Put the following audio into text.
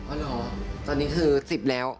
เหรอตอนนี้คือ๑๐แล้ว